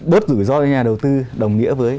bớt rủi ro với nhà đầu tư đồng nghĩa với